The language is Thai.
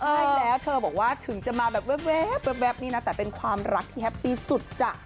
ใช่แล้วเธอบอกว่าถึงจะมาแบบแว๊บนี่นะแต่เป็นความรักที่แฮปปี้สุดจ้ะ